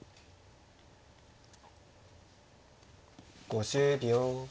５０秒。